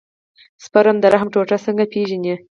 سپرم د رحم ټوټه څنګه پېژني.